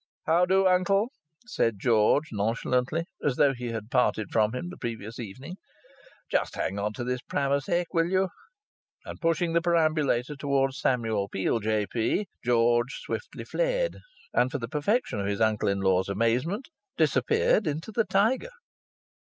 "How do, uncle?" said George, nonchalantly, as though he had parted from him on the previous evening. "Just hang on to this pram a sec., will you?" And, pushing the perambulator towards Samuel Peel, J.P., George swiftly fled, and, for the perfection of his uncle in law's amazement, disappeared into the Tiger.